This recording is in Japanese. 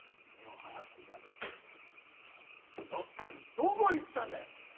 どこ行ってたんだい？